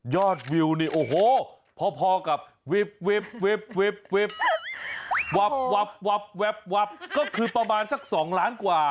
วิวนี่โอ้โหพอกับวิบวับก็คือประมาณสัก๒ล้านกว่า